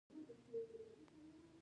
بازار د عقل سړی غواړي، نه عادي.